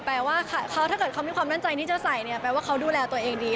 ว่าถ้าเกิดเขามีความมั่นใจที่จะใส่เนี่ยแปลว่าเขาดูแลตัวเองดี